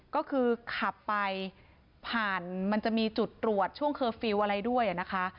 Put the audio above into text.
ก็คือขับไปผ่านมันจะมีจุดตรวจช่วงเคอร์ฟิลล์อะไรด้วยนะคะ